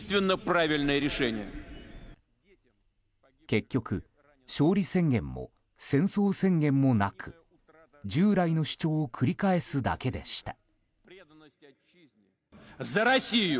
結局、勝利宣言も戦争宣言もなく従来の主張を繰り返すだけでした。